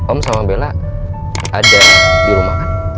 om sama bella ada di rumah kan